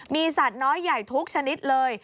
มีสัตว์น้อยใหญ่ทุกชนิดเลย